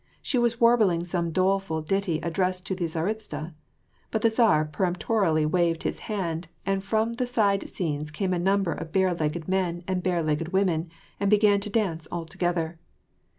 She was warbling some doleful ditty addressed to the tsaritsa, but the tsar peremptorily waved his hand, and from the side scenes came a number of bare legged men and bare legged women, and began to dance all together.